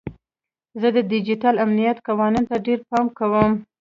زه د ډیجیټل امنیت قوانینو ته ډیر پام کوم.